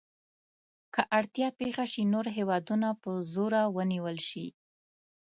که اړتیا پېښه شي نور هېوادونه په زوره ونیول شي.